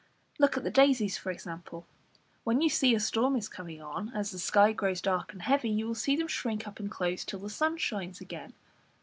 Look at the daisies for example when a storm is coming on; as the sky grows dark and heavy, you will see them shrink up and close till the sun shines again.